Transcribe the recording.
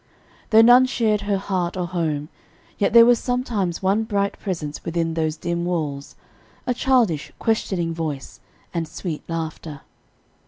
Though none shared her heart or home, yet there was sometimes one bright presence within those dim walls, a childish, questioning voice, and sweet laughter.